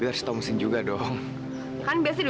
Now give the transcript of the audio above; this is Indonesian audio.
tapi teman kamu juga communicating ke saya